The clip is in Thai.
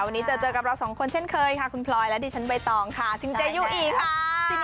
วันนี้เจอเจอกับเราสองคนเช่นเคยค่ะคุณพลอยและดิฉันใบตองค่ะสินเจยุอีค่ะ